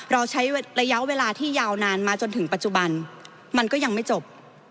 เราใช้ระยะเวลาที่ยาวนานมาจนถึงปัจจุบันมันก็ยังไม่จบ